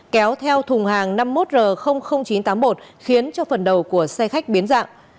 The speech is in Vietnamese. kéo theo thùng hàng năm mươi một r chín trăm tám mươi một khiến cho phần đầu của xe khách biến dạng